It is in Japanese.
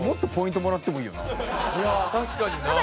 いや確かにな。